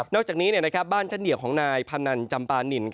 นอกจากนี้บ้านจัดเหนี่ยของนายภานัญส์จำปาร์นิ่น